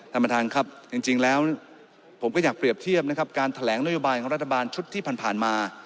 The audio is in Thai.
ท่านประธานครับจริงแล้วผมก็อยากเปรียบเทียบนะครับการแถลงนโยบายของรัฐบาลชุดที่ผ่านมา